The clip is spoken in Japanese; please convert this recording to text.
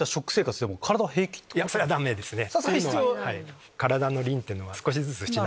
それはダメですね。